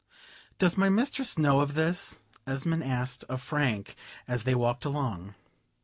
"Does my mistress know of this?" Esmond asked of Frank, as they walked along.